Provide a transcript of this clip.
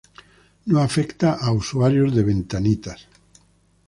No afecta a usuarios de Windows.